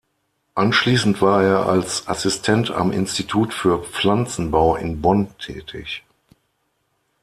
Anschließend war er als Assistent am Institut für Pflanzenbau in Bonn tätig.